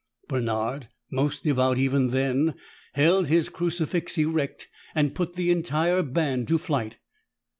Bernard, most devout even then, held his crucifix erect and put the entire band to flight."